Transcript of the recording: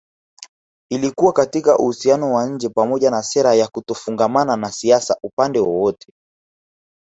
Ilikuwa katika uhusiano wa nje pamoja na sera ya kutofungamana na siasa upande wowote